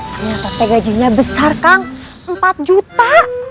ternyata kayak gajinya besar kang empat juta